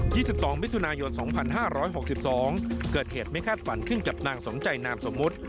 วิทยุ๒๒มิถุนายน๒๕๖๒เกิดเหตุไม่คาดฝันเครื่องจับนางสองใจนามสมมุติ